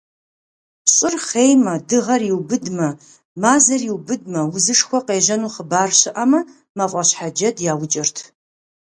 Щӏыр хъеймэ, дыгъэр иубыдмэ, мазэр иубыдмэ, узышхуэ къежьэну хъыбар щыӏэмэ, мафӏэщхьэджэд яукӏырт.